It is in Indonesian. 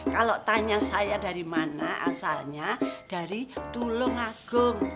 kalau tanya saya dari mana asalnya dari tulungagung